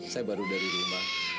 saya baru dari rumah